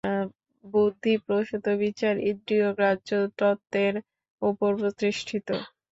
বুদ্ধিপ্রসূত বিচার ইন্দ্রিয়গ্রাহ্য তত্ত্বের উপর প্রতিষ্ঠিত।